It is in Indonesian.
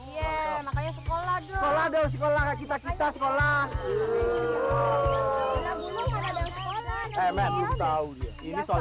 ya makanya sekolah sekolah sekolah sekolah sekolah